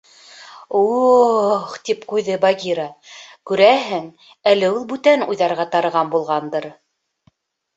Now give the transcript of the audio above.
— У-ых! — тип ҡуйҙы Багира, күрәһең, әле ул бүтән уйҙарға тарыған булғандыр.